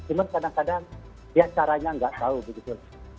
cuma kadang kadang ya caranya nggak tahu begitu